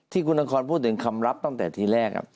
ที่คุณนครพูดถึงคำลับตั้งแต่ทีแรก